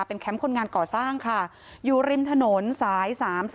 เป็นแคมป์คนงานก่อสร้างค่ะอยู่ริมถนนสาย๓๒